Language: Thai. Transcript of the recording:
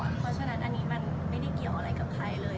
เพราะฉะนั้นอันนี้มันไม่ได้เกี่ยวอะไรกับใครเลย